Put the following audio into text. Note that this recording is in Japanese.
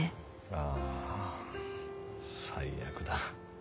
あぁ最悪だ。